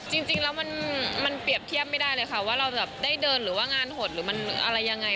จริงแล้วมันเปรียบเทียบไม่ได้เลยค่ะว่าเราจะได้เดินหรือว่างานหดหรือมันอะไรยังไง